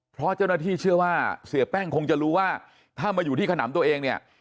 เพราะเจ้าหน้าที่เชื่อว่าเสียแป้งคงจะรู้ว่าถ้ามาอยู่ที่ขนำตัวเองเนี่ย